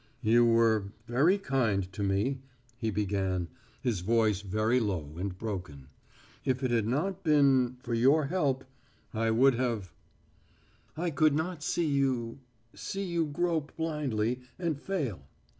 "You were very kind to me," he began, his voice very low and broken. "If it had not been for your help, I would have " "I could not see you see you grope blindly and fail."